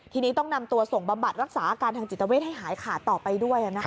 ทีนี้ต้องนำตัวส่งบำบัดรักษาอาการทางจิตเวทให้หายขาดต่อไปด้วย